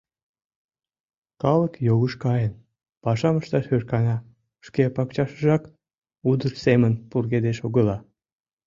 Калык йогыш каен, пашам ышташ ӧркана, шке пакчашыжак удыр семын пургедеш огыла.